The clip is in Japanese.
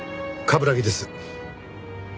冠城です。